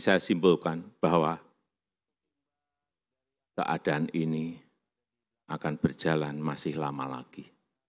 saya simpulkan bahwa keadaan ini akan berjalan masih lama lagi